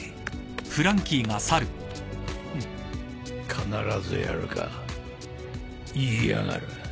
必ずやるか言いやがる。